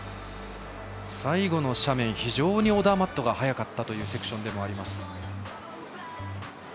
最後の斜面、非常にオダーマットが速かったというセクションでもあります。